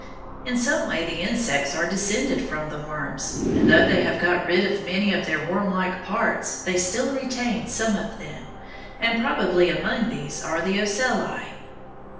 In some way the insects are descended from the worms, and though they have got rid of many of their wormlike parts they still retain some of them, and probably among these are the ocelli.